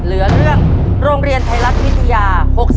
เหลือเรื่องโรงเรียนไทยรัฐวิทยา๖๔